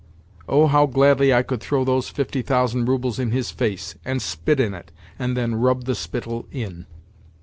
—Oh, how gladly I could throw those fifty thousand roubles in his face, and spit in it, and then rub the spittle in!"